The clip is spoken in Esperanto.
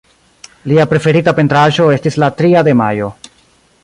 Lia preferita pentraĵo estis La tria de majo.